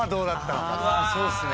そうですね。